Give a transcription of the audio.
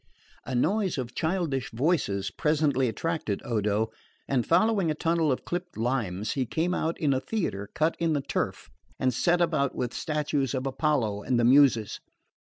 A noise of childish voices presently attracted Odo, and following a tunnel of clipped limes he came out on a theatre cut in the turf and set about with statues of Apollo and the Muses.